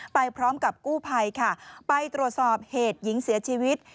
ไปพร้อมกับกู้ภัยค่ะไปตรวจสอบเหตุหญิงเสียชีวิต